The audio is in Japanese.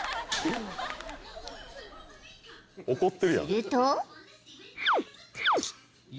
［すると］